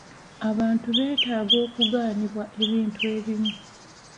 Abantu beetaaga okugaanibwa ebintu ebimu.